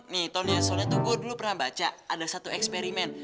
nih tonyet soalnya tuh gue dulu pernah baca ada satu eksperimen